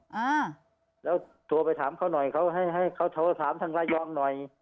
อ่าแล้วโทรไปถามเขาหน่อยเขาให้ให้เขาโทรถามทางระยองหน่อย